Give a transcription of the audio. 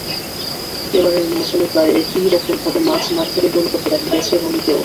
এবারের মৌসুমে প্রায় একই রকমভাবে মাঝমাঠ থেকে গোল করতে দেখা গেছে রুনিকেও।